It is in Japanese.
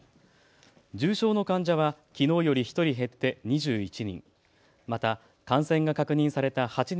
重症の患者はきのうより１人減って２１人。